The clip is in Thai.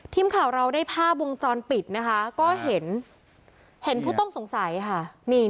ทีมข่าวเราได้ภาพวงจรปิดนะคะก็เห็นเห็นผู้ต้องสงสัยค่ะ